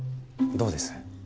どうです？